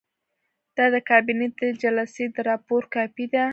دا د کابینې د جلسې د راپور کاپي ده.